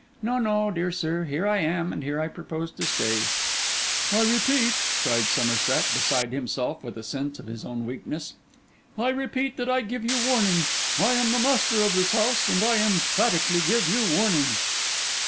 No, no, dear sir; here I am, and here I propose to stay.' 'I repeat,' cried Somerset, beside himself with a sense of his own weakness, 'I repeat that I give you warning. I am the master of this house; and I emphatically give you warning.